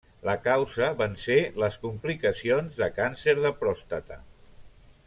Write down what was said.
La causa van ser les complicacions de càncer de pròstata.